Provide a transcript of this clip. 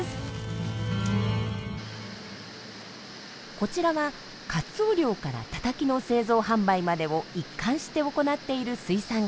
こちらはカツオ漁からたたきの製造・販売までを一貫して行っている水産会社。